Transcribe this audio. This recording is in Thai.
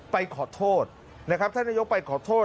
ไปขอโทษนะครับท่านนายกไปขอโทษ